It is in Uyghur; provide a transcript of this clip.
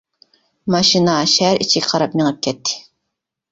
ماشىنا شەھەر ئىچىگە قاراپ مېڭىپ كەتتى.